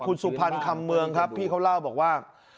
คุณสุพรรณคำเมืองครับพี่เขาเล่าบอกว่า